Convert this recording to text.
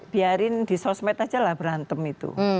biarin di sosmed aja lah berantem itu